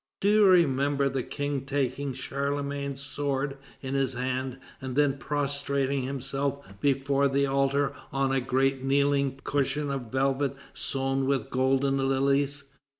Do you remember the King taking Charlemagne's sword in his hand, and then prostrating himself before the altar on a great kneeling cushion of velvet sown with golden lilies?